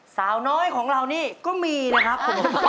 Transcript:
สาวน้อยของเรานี่ก็มีนะครับ